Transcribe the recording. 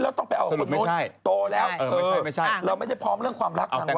แล้วต้องไปเอาแบบโตแล้วเออเราไม่ได้พร้อมเรื่องความรักทางว่า